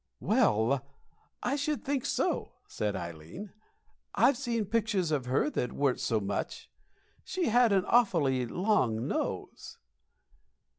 "Well, I should think so!" said Ileen. "I've seen pictures of her that weren't so much. She had an awfully long nose."